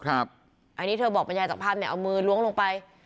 อันนี้เธอบอกบรรยายจากภาพเนี่ยเอามือล้วงลงไป